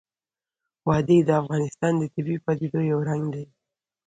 وادي د افغانستان د طبیعي پدیدو یو رنګ دی.